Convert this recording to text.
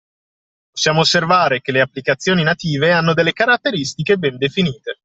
Possiamo osservare che le applicazioni native hanno delle caratteristiche ben definite.